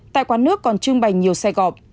tại quán nước còn trưng bày nhiều xe gọp